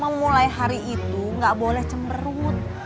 memulai hari itu gak boleh cemerut